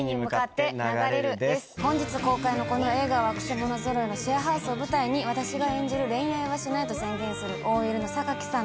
本日公開のこの映画は曲者ぞろいのシェアハウスを舞台に私が演じる恋愛はしないと宣言するＯＬのさんと。